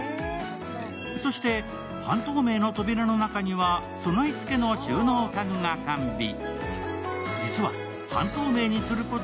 そして半透明の扉の中には、備え付けの収納家具が完備。